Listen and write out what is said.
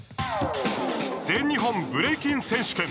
「全日本ブレイキン選手権」